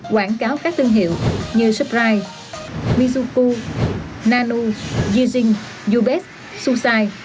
quảng cáo các thương hiệu như surprise mizuku nanu yijing u best susai